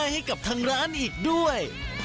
ให้กับทางร้านอีกด้วย